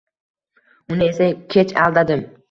Uni esa kech aldadim.